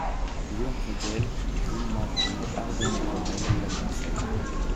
Léon Cladel puis Jules Mary, Ardennais comme elle, la conseillent.